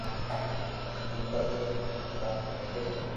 تو ڪرتو رھي ايم ڪوم ڪرتو رھي